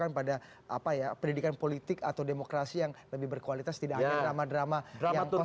masyarakat bisa dihadapkan pada pendidikan politik atau demokrasi yang lebih berkualitas tidak hanya drama drama yang kosmetik